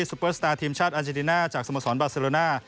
เปอร์สตาร์ทีมชาติอาเจนติน่าจากสมสรบาเซโลน่า